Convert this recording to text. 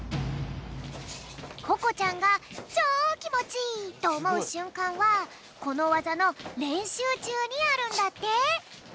ここちゃんがチョーきもちいいとおもうしゅんかんはこのわざのれんしゅうちゅうにあるんだって。